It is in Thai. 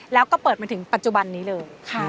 แล้วก็เปิดมาถึงปัจจุบันนี้เลย